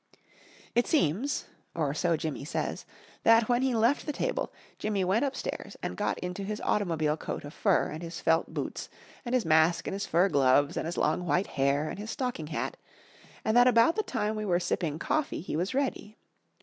It seems or so Jimmy says that, when he left the table, Jimmy went upstairs and got into his automobile coat of fur, and his felt boots, and his mask, and his fur gloves, and his long white hair, and his stocking hat, and that about the time we were sipping coffee he was ready.